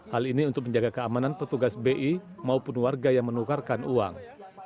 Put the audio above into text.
hal ini untuk menjaga keamanan petugas bi maupun warga yang menukarkan uang